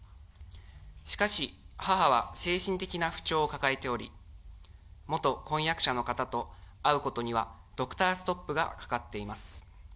しかし、母は精神的な不調を抱えており、元婚約者の方と会うことにはドクターストップがかかっています。